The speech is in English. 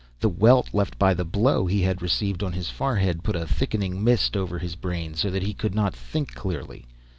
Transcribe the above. The welt, left by the blow he had received on his forehead, put a thickening mist over his brain, so that he could not think clearly.